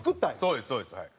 そうですそうですはい。